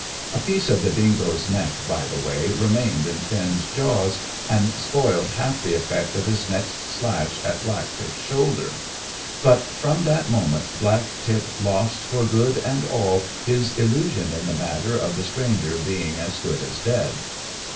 A piece of the dingo's neck, by the way, remained in Finn's jaws, and spoiled half the effect of his next slash at Black tip's shoulder. But from that moment Black tip lost for good and all his illusion in the matter of the stranger being as good as dead.